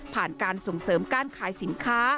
การส่งเสริมการขายสินค้า